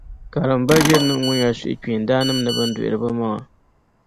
Karimba ʒirinim’ ŋɔ nyɛla suhukpeendaannima ni bɛn duhiri bɛmaŋa.